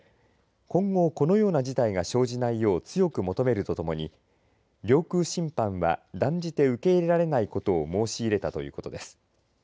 今後このような事態が生じないよう強く求めるとともに領空侵犯は断じて受け入れられないことを申し入れたということです。